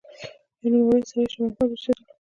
يو نوموړی سړی شاه محمد اوسېدلو